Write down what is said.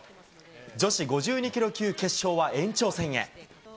女子５２キロ級決勝は延長戦へ。